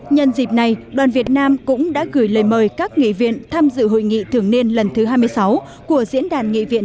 nhân dịp này đoàn việt nam cũng đã gửi lời mời các nghị viện tham dự hội nghị thường niên lần thứ hai mươi sáu của diễn đàn nghị viện